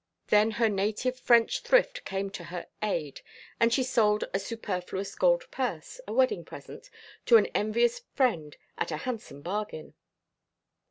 Then her native French thrift came to her aid and she sold a superfluous gold purse, a wedding present, to an envious friend at a handsome bargain.